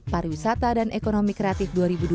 pariwisata dan ekonomi kreatif dua ribu dua puluh